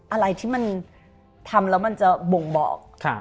อะไรที่มันทำแล้วมันจะบ่งบอก